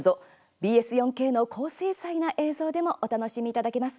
ＢＳ４Ｋの高精細な映像でもお楽しみいただけます。